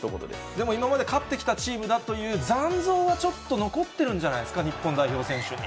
でも今まで勝ってきたチームだという残像はちょっと残ってるんじゃないですか、日本代表選手に。